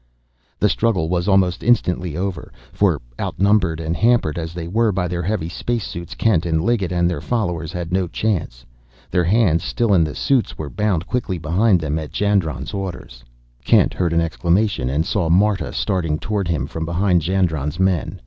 The struggle was almost instantly over, for, outnumbered and hampered as they were by their heavy space suits, Kent and Liggett and their followers had no chance. Their hands, still in the suits, were bound quickly behind them at Jandron's orders. Kent heard an exclamation, and saw Marta starting toward him from behind Jandron's men.